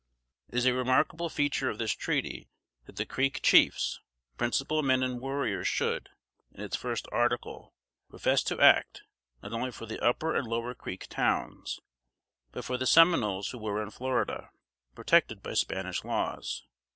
It is a remarkable feature of this treaty, that the Creek chiefs, principal men and warriors should, in its first article, profess to act, not only for the Upper and Lower Creek Towns, but for the Seminoles who were in Florida, protected by Spanish laws.